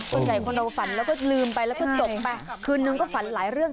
ส่วนใหญ่คนเราฝันแล้วก็ลืมไปแล้วก็จบไปคืนนึงก็ฝันหลายเรื่อง